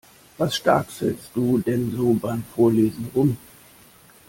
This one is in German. Was stackselst du denn so beim Vorlesen rum?